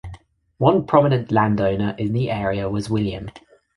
One prominent land-owner in the area was William.